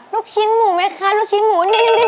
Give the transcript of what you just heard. ลูกชิ้นหมูไหมคะลูกชิ้นหมูนิด